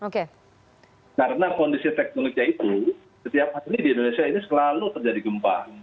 karena kondisi teknologi itu setiap hari di indonesia ini selalu terjadi gempa